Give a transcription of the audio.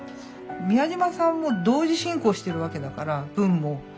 美谷島さんも同時進行してるわけだから文も。